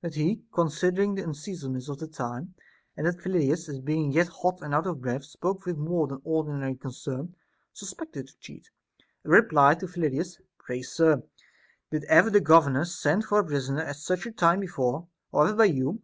But he, considering the unseasonableness of the time, and that Phyllidas, as being yet hot and out of breath, spoke with more than ordinary concern, suspected the cheat, and replied to Phyllidas : Pray, sir, did ever the governors send for a prisoner at such a time before I Or ever by you